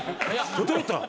整った。